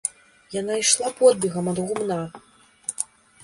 Яна ішла подбегам ад гумна.